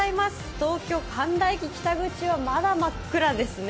東京・神田駅北口はまだ真っ暗ですね。